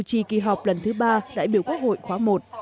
lập lần thứ ba đại biểu quốc hội khóa một